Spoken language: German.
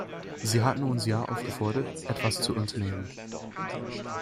Sie hatten uns ja aufgefordert, etwas zu unternehmen.